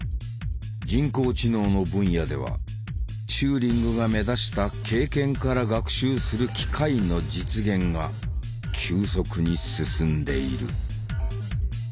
人工知能の分野ではチューリングが目指した「経験から学習する機械」の実現が急速に進んでいる。